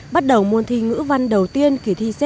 bắt đầu muôn thi ngữ văn đầu tiên kỳ thi z